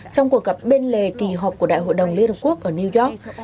trong cuộc gặp bên lề kỳ họp của đại hội đồng liên hợp quốc ở new york